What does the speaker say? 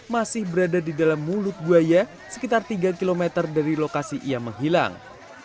masih berada di dalam mulut buaya sekitar tiga km dari lokasi ia menghilang